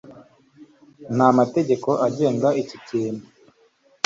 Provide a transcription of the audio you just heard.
ntamategeko agenga iki kintu